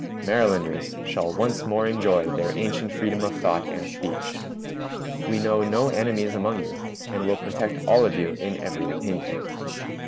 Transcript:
Marylanders shall once more enjoy their ancient freedom of thought and speech. We know no enemies among you, and will protect all of you in every opinion.